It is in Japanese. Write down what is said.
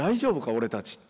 俺たち。